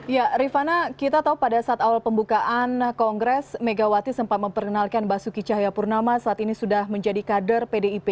ya rifana kita tahu pada saat awal pembukaan kongres megawati sempat memperkenalkan basuki cahayapurnama saat ini sudah menjadi kader pdip